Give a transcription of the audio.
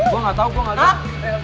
gue gak tau gue gak liat